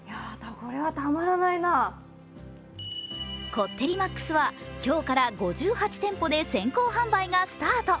こってりＭＡＸは今日から５８店舗で先行販売がスタート。